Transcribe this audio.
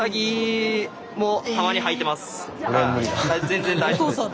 全然大丈夫でした。